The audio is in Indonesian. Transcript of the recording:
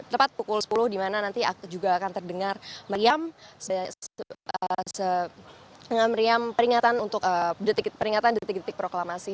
tepat pukul sepuluh dimana nanti juga akan terdengar meriam untuk peringatan detik detik proklamasi